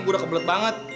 gue udah kebelet banget